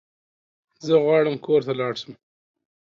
زه غواړم کور ته لاړ شم